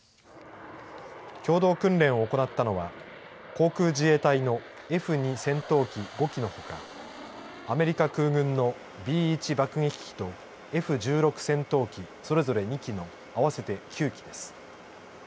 共同訓練を行ったのは航空自衛隊のＦ２戦闘機５機のほかアメリカ空軍のＢ１爆撃機とＦ１６戦闘機それぞれ２機の合わせて９機です。